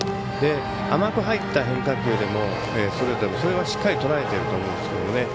甘く入った変化球でもストレートでも、それはしっかりとらえていると思うんですけどもね。